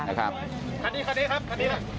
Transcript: คันนี้คันนี้ครับคันนี้ครับ